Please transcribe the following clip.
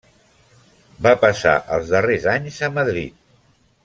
Va passar els darrers anys a Madrid.